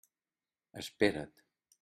Espera't.